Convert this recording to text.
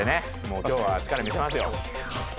もう今日は力見せますよ。